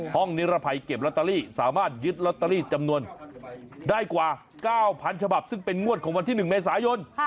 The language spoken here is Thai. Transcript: นิรภัยเก็บลอตเตอรี่สามารถยึดลอตเตอรี่จำนวนได้กว่า๙๐๐ฉบับซึ่งเป็นงวดของวันที่๑เมษายน